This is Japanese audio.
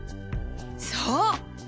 そう！